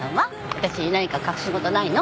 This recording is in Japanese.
私に何か隠し事ないの？